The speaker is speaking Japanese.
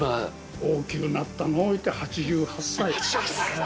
大きくなったのう言うて、８８歳。